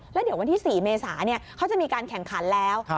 แล้วเดี๋ยววันที่๔เมษาเขาจะมีการแข่งขันแล้ว